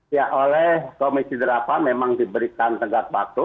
ya oleh komisi delapan memang diberikan tegak waktu